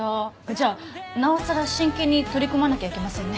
じゃあなおさら真剣に取り組まなきゃいけませんね